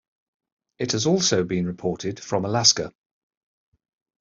It has also been reported from Alaska.